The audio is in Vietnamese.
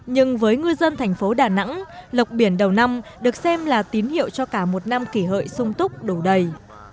nhưng với ngư dân thành phố đà nẵng lộc biển đầu năm được xem là tín hiệu cho cả một năm kỷ hợi sung túc đủ đầy